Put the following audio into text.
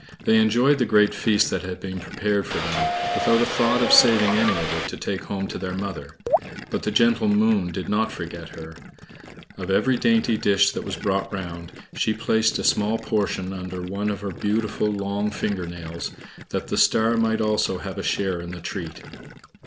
They enjoyed the great feast that had been prepared for them, without a thought of saving any of it to take home to their mother; but the gentle Moon did not forget her. Of every dainty dish that was brought round, she placed a small portion under one of her beautiful long finger nails, that the Star might also have a share in the treat.